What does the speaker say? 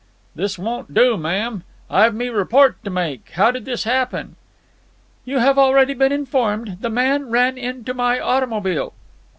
"This won't do, ma'am. I've me report to make. How did this happen?" "You have already been informed. The man ran into my automobile."